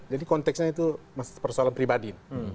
jadi konteksnya itu persoalan pribadi